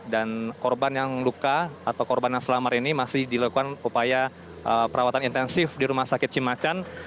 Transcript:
dan korban yang luka atau korban yang selamar ini masih dilakukan upaya perawatan intensif di rumah sakit cimacan